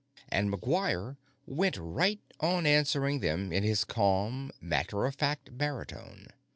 And McGuire went right on answering them in his calm, matter of fact baritone.